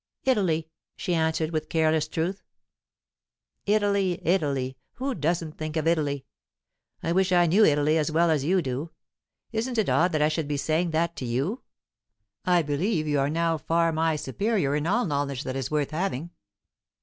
"Italy," she answered, with careless truth. "Italy, Italy! Who doesn't think of Italy? I wish I knew Italy as well as you do. Isn't it odd that I should be saying that to you? I believe you are now far my superior in all knowledge that is worth having.